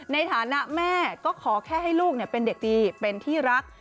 ในฐานะแม่ก็ขอแค่ให้ลูกเป็นเด็กดีเป็นที่รัก